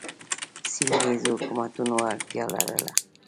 سیمه ییزو حکومتونو اړتیا لرله